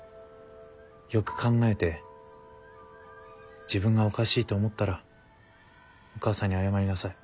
よく考えて自分がおかしいと思ったらお母さんに謝りなさい。